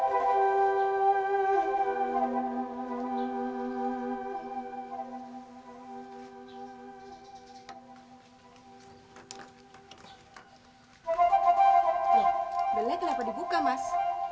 beli apa dibuka mas